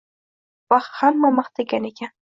Va hamma maqtagan ekan.